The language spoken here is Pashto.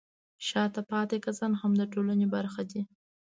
شاته پاتې کسان هم د ټولنې برخه دي.